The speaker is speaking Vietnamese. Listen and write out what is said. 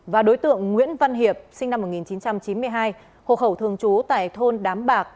và đối tượng nguyễn văn hiệp sinh năm một nghìn chín trăm chín mươi hai hộ khẩu thường trú tại thôn đám bạc